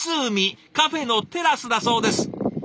カフェのテラスだそうです。